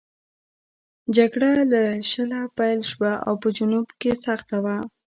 جګړه له شله پیل شوه او په جنوب کې سخته وه.